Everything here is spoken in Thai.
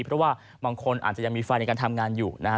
เพราะว่าบางคนอาจจะยังมีไฟในการทำงานอยู่นะฮะ